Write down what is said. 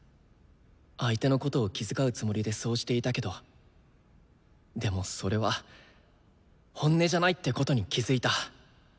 相手のことを気遣うつもりでそうしていたけどでもそれは「本音」じゃないってことに気付いた。